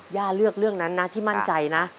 ยาเลือกเรื่องนะที่มั่นใจนะ